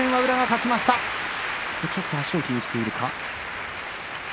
ちょっと足を気にしているか。